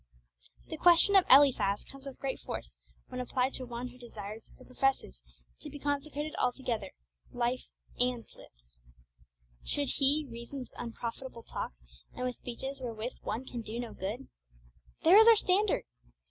The question of Eliphaz comes with great force when applied to one who desires or professes to be consecrated altogether, life and lips: 'Should he reason with unprofitable talk, and with speeches wherewith one can do no good?' There is our standard!